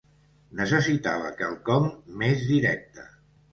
Necessitava quelcom més directe